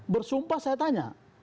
bersumpah saya tanya